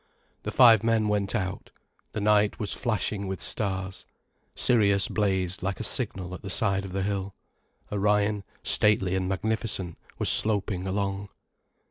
The five men went out. The night was flashing with stars. Sirius blazed like a signal at the side of the hill, Orion, stately and magnificent, was sloping along.